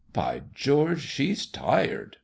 " By George, she's tired !